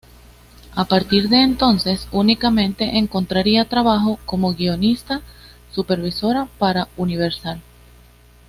A partir de entonces únicamente encontraría trabajo como guionista supervisora para Universal.